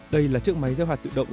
đây là chương máy gieo hạt tự động